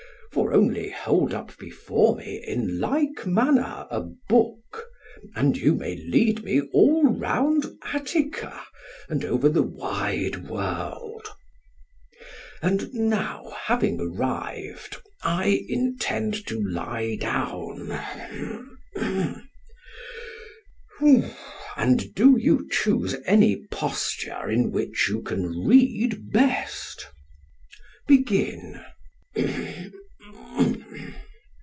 For only hold up before me in like manner a book, and you may lead me all round Attica, and over the wide world. And now having arrived, I intend to lie down, and do you choose any posture in which you can read best. Begin.